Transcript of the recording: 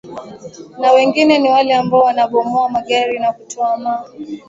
na wengine ni wale ambao wanabomoa magari na kutoa ma